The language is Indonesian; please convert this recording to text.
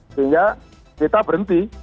sehingga kita berhenti